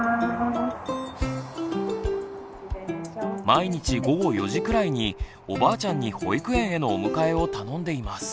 毎日午後４時くらいにおばあちゃんに保育園へのお迎えを頼んでいます。